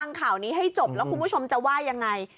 ข่าวนี้ให้จบแล้วคุณผู้ชมจะว่ายังไง